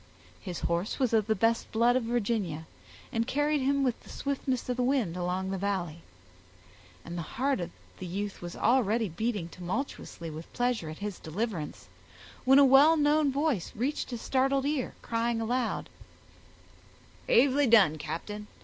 His horse was of the best blood of Virginia, and carried him with the swiftness of the wind along the Valley; and the heart of the youth was already beating tumultuously with pleasure at his deliverance, when a well known voice reached his startled ear, crying aloud,— "Bravely done, captain!